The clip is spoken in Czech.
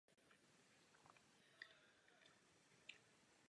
Je ohrožen i člověkem.